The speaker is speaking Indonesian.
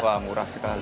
wah murah sekali